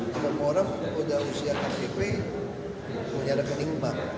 semua orang punya usia ktp punya rekening bank